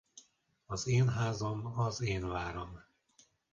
Az én házam az én váram.